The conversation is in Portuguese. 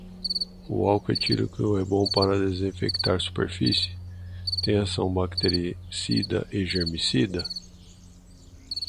Álcool etílico é bom para desinfetar superfícies? Tem ação bactericida e germicida?